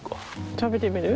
食べてみる？